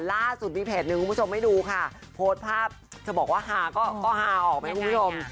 ล่าสุดมีเพจหนึ่งคุณผู้ชมให้ดูค่ะโพสต์ภาพเธอบอกว่าฮาก็ฮาออกไหมคุณผู้ชม